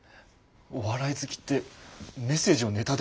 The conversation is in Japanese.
お笑い好きってメッセージをネタで送り合うの？